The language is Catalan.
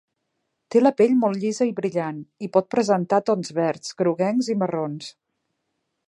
Té la pell molt llisa i brillant, i pot presentar tons verds, groguencs i marrons.